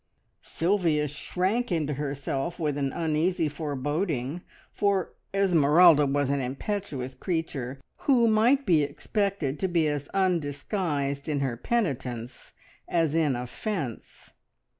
Sylvia shrank into herself with an uneasy foreboding, for Esmeralda was an impetuous creature, who might be expected to be as undisguised in her penitence as in offence.